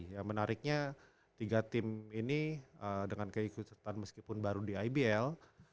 yang menariknya tiga tim ini dengan keikutsertaan meskipun baru di ibl